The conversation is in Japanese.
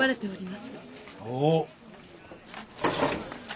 おお。